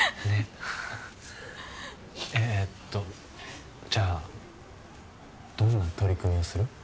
ねっえとじゃどんな取り組みをする？